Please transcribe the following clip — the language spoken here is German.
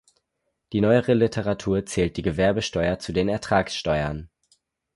Die neuere Literatur zählt die Gewerbesteuer zu den Ertragsteuern.